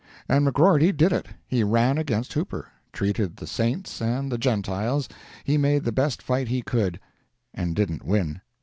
And McGrorty did it. He ran against Hooper, treated the Saints and the Gentiles, he made the best fight he could—and didn't win.